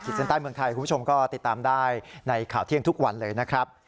เส้นใต้เมืองไทยคุณผู้ชมก็ติดตามได้ในข่าวเที่ยงทุกวันเลยนะครับ